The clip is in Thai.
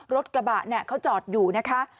รถกระบะเนี่ยเขาจอดอยู่นะคะ